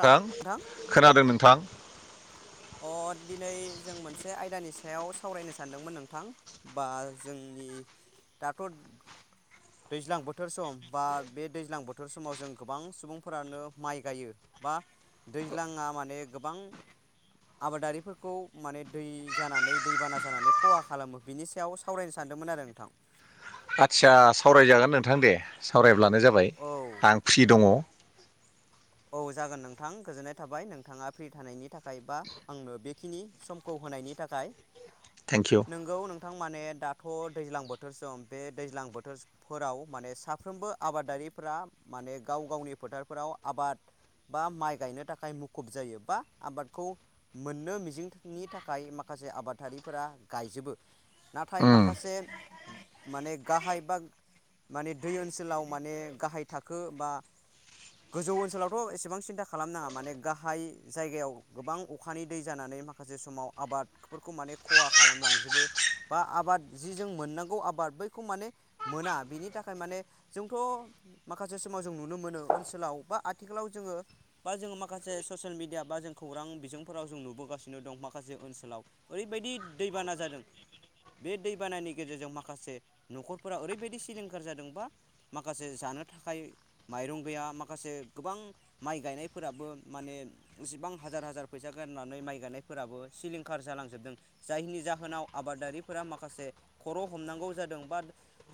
नोंथां खोनादों नोंथां अ दिनै जों मोनसे आयदानि सायाव सावरायनो सानदोंमोन नोंथां बा जोंनि दा थ' दैज्लां बोथोर सम बा बे दैज्लां बोथोर समाव जों गोबां सुबुंफोरानो माइ गायो बा दैज्लाङा माने गोबां आबादारिफोरखौ माने दै जानानै दैबाना जानानै खहा खालामो बिनि सायाव सावरायनो सा नदोंमोन आरो नोंथां आदसा सावरायजागोन नोंथां दे सावरायब्लानो जाबाय औ आं फ्रि दङ औ जागोन नोंथां गोजोननाय थाबाय नोंथाङा फ्रि थानायनि थाखाय बा आंनो बेखिनि समखौ होनायनि थाखाय थेंकिउ नोंगौ नोंथां माने दा थ' दैज्लां बोथोर सम बे दैज्लां बोथोरफोराव माने साफ्रोमबो आबादारिफोरा माने गाव गावनि फोथारफोराव आबाद बा माइ गायनो थाखाय मुखुब जायो बा आबादखौ मोननो मिजिंनि थाखाय माखा से आबादारिफोरा गायजोबो नाथाय उम माखासे माने गाहाय बा माने दै ओनसोलाव माने गाहाय थाखो बा गोजौ ओनसोलावथ एसेबां सिन्था खालामनाङा माने गाहाय जायगायाव गोबां अखानि दै जानानै माखासे समाव आबादफोरखौ माने खहा खालामलांजोबो बा आबाद जि जों मोननांगौ आबाद बै माने मोना बेनि थाखाय माने जोंथ माखासे समाव जों नुनो मोनो ओनसोलाव बा आथिखालाव जोङो बा जोङो माखासे ससियेल मिडिया बा जों खौरां बिजोंफोराव जों नुबोगासिनो दं माखासे ओनसोलाव ओरैबायदि दैबाना जादों बे दै बानानि गेजेरजों माखासे न'खरफोरा ओरैबायदि सिलिंखार जादोंबा माखासे जा नो थाखाय माइरं गैया मा माखासे गोबां माइ गायनायफोराबो माने इसेबां हाजार हाजार फैसा गारनानै माइ गायनाय फोराबो सिलिंखार जालांजोबदों जायनि जाहोनाव आबादारिफोरा माखासे खर हमनांगौ जादों बा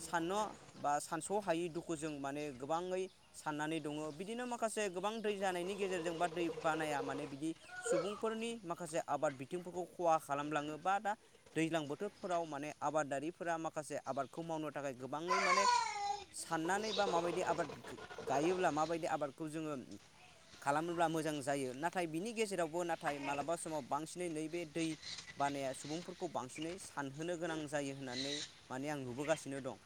साननो बा सानस हायै दुखु जों माने गोबाङै साननानै दङ बिदिनो माखासे गोबां दै जानायनि गेजेरजों बा दै बानाया माने बिदि सुबुंफोरनि माखासे माखासे आबाद बिथिंफोरखौ खहा खालामलाङो बा दा दैज्लां बोथोरफोराव माने आबादारिफोरा माखासे जे आबादखौ मावनो थाखाय गोबाङै माने साननानै बा माबायदि आबाद गायोब्ला माबायदि आबादखौ जोङो खालामोब्ला मोजां जायो नाथाय बिनि गेजेरावबो नाथाय मालाबा समाव बांसिनै नैबे दै बानाया सुबुंफोरखौ बांसिनै सानहोनो गोनां जायो होननानै माने आं नुबोगासिनो दं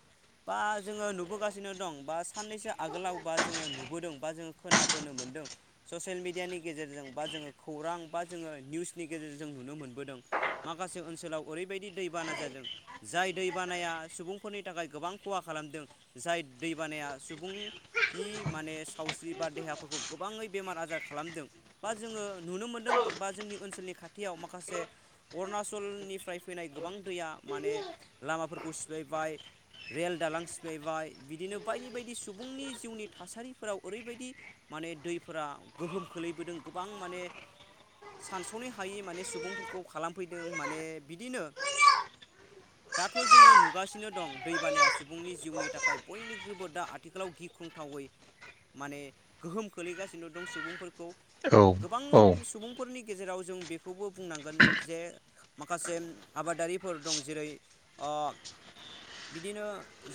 बा जोङो नुबोगासिनो दं बा साननैसो आगोलाव बा जोङो नुबोदों बा जोङो खोनाबोनो मोनदों ससियेल मिडियानि गेजेरजों बा जोङो खौरां बा जों निउसनि गेजेरजों नुनो मोनबोदों माखासे ओनसोलाव ओरैबायदि दैबाना जादों जाय दै दै बानाया सुबुंफोरनि थाखाय गोबां खहा खालामदों जाय दैबानाया सुबुं नि माने सावस्रि बा देहाफोरखौ गोबाङै बेमार आजार खालामदों बा जोङो नुनो मोनदों बा जोंनि ओनसोलनि खाथियाव माखासे अरुणचलनिफ्राय फैनाय गोबां दैया माने लामाफोरखौ सिफायबाय रेल दालां सिफायबाय बिदिनो बायदि बायदि सुबुंनि जिउनि थासारिफोराव ओरैबायदि माने दैफोरा गोहोम खोलैबोदों गोबां माने सानस'नो हायै माने सुबुंफोरखौ खालामफैदों माने बिदिनो [inaudible] दाथ' जोङो नुगासिनो दं दैबानाया सुबुंनि जिउनि थाखाय बयनिख्रुबो दा आथिखालाव गिख्रं थावै माने गोहोम खोलैगासिनो दं सुबुंफोरखौ औ गोबां औ सुबुं फोरनि गेजेराव जों बेखौबो बुंनांगोन जे माखासे आबादारिफोर दं जेरै ओ बिदिनो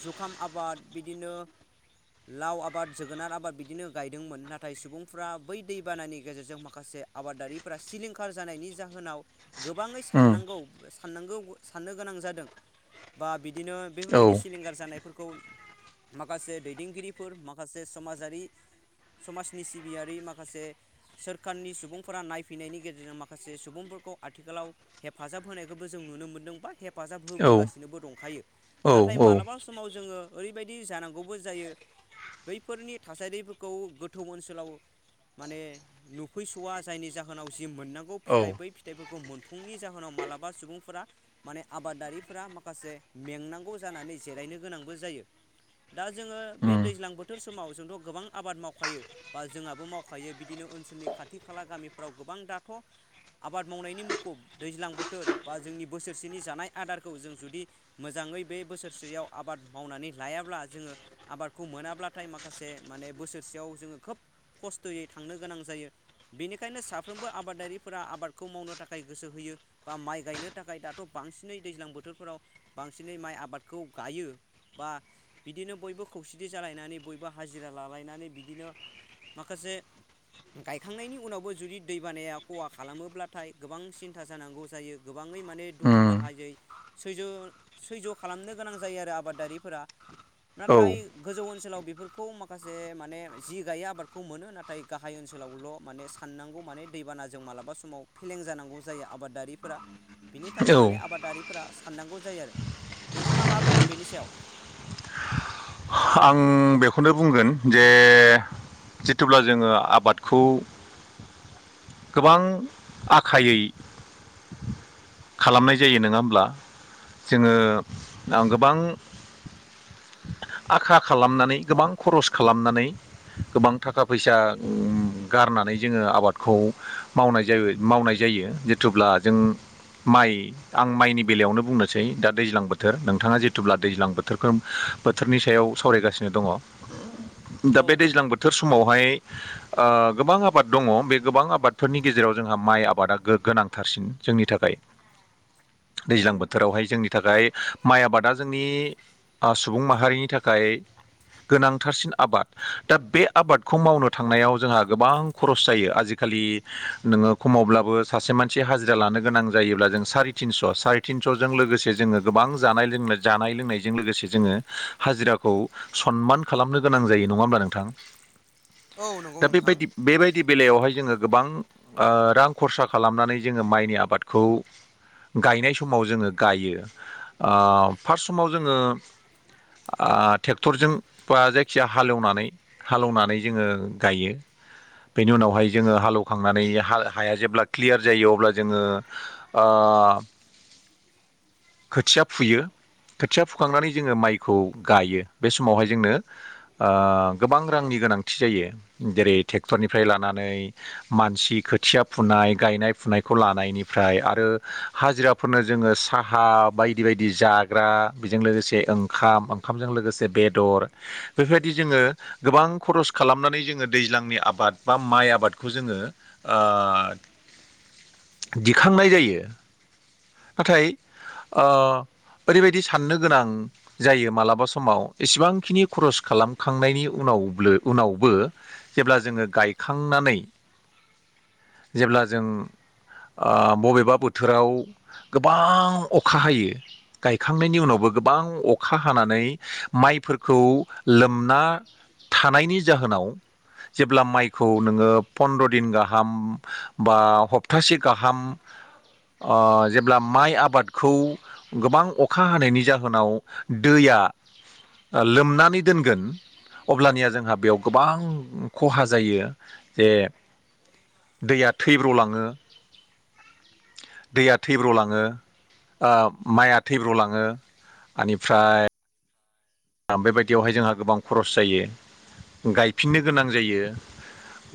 जुखाम आबाद बिदिनो लाव आबाद जोगोनार आबाद बिदिनो गायदोंमोन नाथाय सुबुंफ्रा बै दैबानानि गेजेरजों माखासे आबादारिफ्रा सिलिंखार जानायनि जाहोनाव गोबाङै उम साननांगौ साननांगौ साननो गोनां जादों बा बिदिनो बेफोरबायदि औ सिलिंखार जानायफोरखौ माखासे दैदेनगिरि फोर माखासे समाजारि समाजनि सिबियारि माखासे सोरखारनि सुबुंफोरा नायफैनायनि गेजेरजों माखासे सुबुंफोर फोरखौ आथिखालाव हेफाजाब होनायखौबो जों नुनो मोनदों बा हेफाजाब औ होबोगासिनोबो दंखायो औ नाथाय औ मालाबा समाव जोङो ओरैबायदि जानांगौबो जायो। बैफोरनि थासारिफोरखौ गोथौ ओनसोलाव माने नुफैस'वा जायनि जाहोनाव जि मोननांगौ औ फिथाइ बै फिथाइफोरखौ मोनफुंनि जाहोनाव मालाबा सुबुंफोरा माने आबादारिफोरा माखासे मेंनांगौ जानानै जिरायनो गोनांबो जायो। दा जोङो बे उम दैज्लां बोथोर समाव जोंथ' गोबां आबाद मावखायो बा जोंहाबो मावखायो बिदिनो ओनसोलनि खाथि खाला गामि। फोराव गोबां दाथ' आबाद मावनायनि मुखुब दैज्लां बोथोर बा जोंनि बोसोरसेनि जानाय आरो आदारखौ जों जुदि मोजाङै बे बोसोरसेयाव आबाद मावनानै लायाब्ला जोङो आबाद खौ मोनाब्लाथाय माखासे माने बोसोरसेयाव जोङो खोब खस्थ'यै थांनो गोनां जायो बेनिखायनो साफ्रोमबो आबादारिफोरा आबादखौ मावनो थाखाय गोसो होयो। यो बा माइ गायनो थाखाय दाथ' बांसिनै दैज्लां बोथोरफोराव बांसिनै माइ आबादखौ गायो। बा बिदिनो बयबो खौसेथि जालायनानै बयबो हाजिरा लालायनानै बिदिनो माखासे गायखांनायनि उनावबो जुदि दैबानाया खहा खालामोब्लाथाय गोबां सिन्था जानांगौ जायो गोब गोबाङै माने दुखु उम दाहायै सैज' सैज्य' खालामनो गोनां जायो आरो आबादारिफोरा नाथाय औ गोजौ ओनसोलाव बेफोरखौ माखासे माने जि गायै आबादखौ मोनो नाथाय गाहाय ओनसोलावल' माने साननांगौ माने दैबान जों मालाबा समाव फेलें जानांगौ जायो आबादारिफोरा बिनि थाखाय माने औ आबादारि साननांगौ जायो आरो नोंथाङा मा बुंगोन बेनि सायाव आं बेखौनो बुंगोन जे जेतुब्ला जोङो आबादखौ गोबां आखायै खालामनाय जायो नङा होमब्ला जोङो गोबां आखा खालामनानै गोबां खरस खालामनानै गोबां थाखा फैसा गारनानै जोङो आबादखौ मावनाय जायो मावनाय जाय यो जिथुब्ला जों माइ आं माइनि बेलायावनो बुंनोसै दा दैज्लां बोथोर नोंथाङा जिथुब्ला दैज्लां बोथोरफोर बोथोरनि सायाव सावरायगासिनो दङ दा औ बे दैज्लां बोथोर स समावहाय ओ गोबां आबाद दङ बे गोबां आबादफोरनि गेजेराव जोंहा माइ आबादा गोगाना नांथारसिन जोंनि थाखाय [inaudible] दैज्लां बोथोरावहाय जोंनि थाखाय माइ आबादा जोंनि सुबुं माहारिनि थाखाय गोनांथारसिन आबाद दा बे आबादखौ मावनो थांनायाव जोंहा गोबां खरस जायो आजिखा खालि नोङो खमावब्लाबो सासे मानसि हाजिरा लानो गोनां जायोब्ला जों साराय थिनस' सारिथिन ज'जों लोगोसे जोङो गोबां जानाय लोंनाय जानाय लोंनायजों लोगोसे जोङो हाजिराखौ सनमान खालामनो गोनां जायो नङा होमब्ला नोंथां। औ नंगौ दा नोंथां बेबायदि बेबायदि बेलायावहाय जोङो गोबां ओ रां खरसा खालामनानै जोङो माइनि आबादखौ गायनाय समाव जोङो गायो ओ फार्स्ट समाव जोङो [inaudible] आ ट्रेक्टरजों बा जायखिया हालेवनानै हालेवनानै जोङो गायो। बेनि उनावहाय जोङो हालेवखांनानै हाल हाया जेब्ला क्लियार जायो अब्ला जोङो ओ ओ [inaudible] खोथिया फुयो खोथिया फुखांनानै जोङो माइ खौ गायो बे समावहाय जोंनो ओ गोबां रांनि गोनांथि जायो जेरै ट्रेक्टरनिफ्राय लानानै मानसि खोथिया फुनाय गायनाय फुनायखौ लानायनिफ्राय आरो हाजिराफोरनो जोङो साहा बायदि बायदि जाग्रा बिजों लोगोसे ओं खाम ओंखामजों लोगोसे बेदर बेफोरबायदि जोङो गोबां खरस खालामनानै जोङो दै लांनि आबाद बा माइ आबादखौ जोङो ओ [inaudible] दिखांनाय जायो। नाथाय अ ओरैबायदि साननो गोनां जायो मालाबा समाव इसेबांखिनि खरस खालामखांनायनि उनावब्लो उनावबो जेब्ला जोङो गायखांनानै [inaudible] जेब्ला जों आ बबेबा बोथोराव गोबां अखा हायो। गायखांनायनि उनावबो गोबां अखा हानानै माइफोरखौ लोमना थानायनि जाहोनाव जेब्ला माइखौ नोङो फन्द्र' दिन गाहाम बा हप्तासे गाहाम आ जेब्ला माइ आबादखौ गोबां अखा हानायनि जाहोनाव दैया ओ लोमनानै दोनगोन अब्लानिया जोंहा बेयाव गोबां खहा जायो जे दैया थैब्र'लाङो‌। दैया थैब्र' लाङो ओ माइआ थैब्र' लाङो। आनिफ्राय बेबायदियावहाय जोंहा गोबां खरस जायो। गायफिननो गोनां जायो।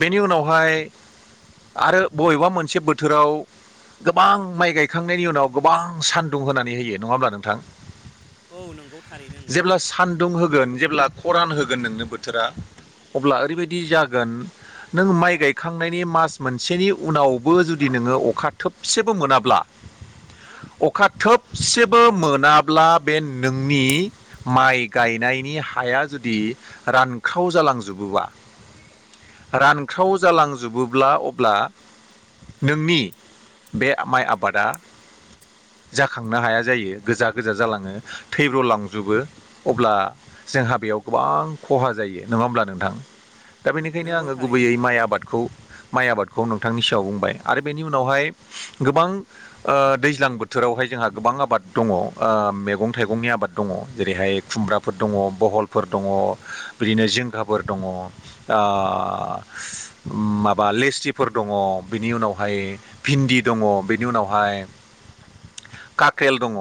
बेनि उनावहाय आरो बबेबा मोनसे बोथोराव गोबां माइ गायखांनायनि उनाव गोबां सान्दुं होना नै होयो नङा होमब्ला नोंथां? औ नंगौ थारैनो नोंथां जेब्ला सान दुं होगोन जेब्ला खरान होगोन नोंनो बोथोरा अब्ला ओरैबायदि जागोन नों माइ गायखांनायनि मास मोनसेनि उनावबो जुदि नोङो अखा थोबसेबो मोनाब्ला [inaudible] अखा थोबसेबो मोनाब्ला बे नोंनि माइ गायनायनि हाया जुदि रानखाव जालांजुबोबा रानख्राव जालांजोबोब्ला अब्ला नोंनि बे माइ आबादा जाखांना हाया जायो गोजा गोजा जालाङो थैब्र' लांजोबो। अब्ला जोंहा बेयाव गोबां खहा जायो नङा होमब्ला नोंथां? दा बेनिखायनो नंगौ आङो थारैनो गुबैयै नोंथां माइ आबादखौ माइ आबादखौ नोंथांनि सिगाङायाव बुंबाय आरो बेनि उनावहाय गोबां ओ दैज्लां बोथोरावहाय जोंहा गोबां आबाद दङ ओ मैगं थाइगंनि आबाद दङ जेरैहाय खुमब्राफोर दङ, बहलफोर दङ, बिदिनो जिंखाफोर दङ ओ माबा लेस्रिफोर दङ बेनि उनावहाय भिन्दि दङ बेनि उनावहाय उनावहाय काख्रेल दङ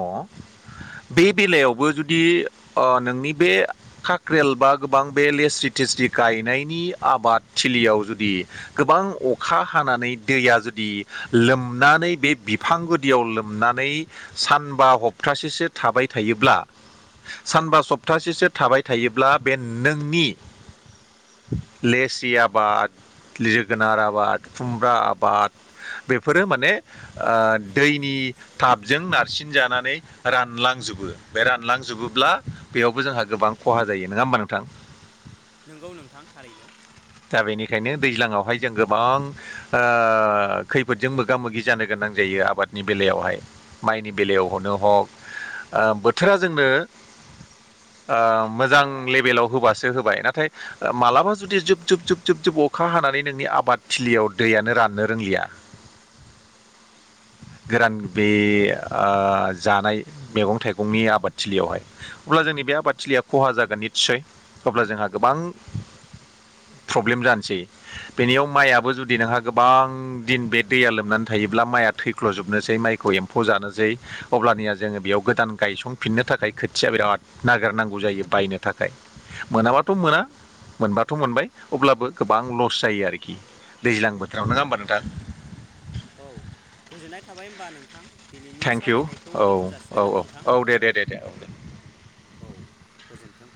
बे बेलायावबो जुदि अ नोंनि बे खाख्रेल बा गोबां बे लेस्रि थेस्रि गायनायनि आबाद थिलियाव जुदि गोबां अखा हानानै दैया जुदि लोमनानै बे बि बिफां गुदियाव लोमनानै सानबा हप्तासेसो थाबाय थायोब्ला सानबा सप्तासेसो थाबाय थायोब्ला बे नोंनि लेसि आबाद, जोगोनार आबाद, खुमब्रा आबाद बेफोरो माने ओ दैनि टाबजों नारसिन जानानै रानलां जोबो बे रानलांजोबोब्ला बेयावबो जोंहा गोबां खहा जायो नङा होमबा नोंथा? नोंगौ नोंथां थारैनो। दा बेनिखायनो दैज्लाङावहाय जों गोबां ओ खैफोदजों मोगा मोगि जानो गोनां जायो। आबादनि बेलायावहाय माइनि बेलायाव हनो हग ओ बोथोरा जोंनो बोथोरा जोंनो ओ मोजां लेभेलाव होबासो होबाय नाथाय मालाबा जुदि जुब जुब जुब जुब जुब अखा हानानै नोंनि आबादथिलियाव दैयानो राननो रोंलिया [inaudible] गोरान बे औ ओ जानाय मैगं थाइगंनि आबादथिलियावहाय अब्ला जोंनि बे आबादथिलिया खहा जागोन नितसय अब्ला जोंहा गोबां [inaudible] प्रब्लेम जानोसै बेनियाव माइआबो जुदि नोंहा गोबां दिन बे दैया लोमनानै थायोब्ला माइया थैख्ल'जोबनोसै माइखौ एम्फौ जानोसै अब्लानिया जोङो बेयाव गोदान गायसंफिननो थाखाय खोथिया बिराद नागिरनांगौ जायो बायनो थाखाय मोनाबाथ' मोना मोनबाथ' मोनबाय अब्लाबो गोबां लस जायो आरोखि। दैज्लां बोथोराव नोङा होमबा नोंथां। औ गोजोननाय थाबाय होनमबा नोंथां। दिनैनि थेंकिउ सावरायनायखौ औ दोन्थ' जासिगोन औ नामा औ नोंथां औ दे दे दे दे औ दे। औ गोजोन्थों।